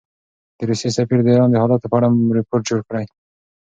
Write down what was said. د روسیې سفیر د ایران د حالاتو په اړه رپوټ جوړ کړ.